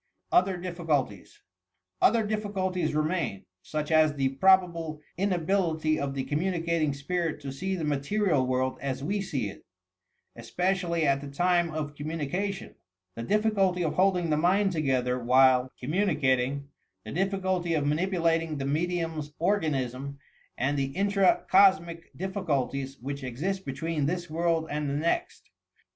OTHER DIFFICULTIES Other diflScultieB remain, — such as the probable in ability of the communicating spirit to see the material world as we see it, especially at the time of communica tion, the difficulty of holding the mind together while 256 YOUB PSYCHIC POWERS communicating, the difficulty of manipulating the me dium's organism, and the intra cosmic difficulties, which exist between this world and the next.